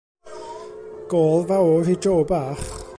Gôl fawr i Joe bach.